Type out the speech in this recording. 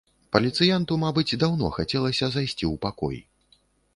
Паліцыянту, мабыць, даўно хацелася зайсці ў пакой.